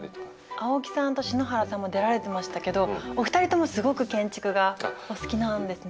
青木さんと篠原さんも出られてましたけどお二人ともすごく建築がお好きなんですね。